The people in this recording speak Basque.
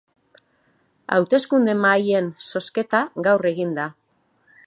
Hauteskunde-mahaien zozketa gaur egin da.